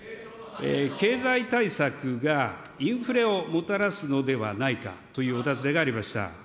経済対策がインフレをもたらすのではないかというお尋ねがありました。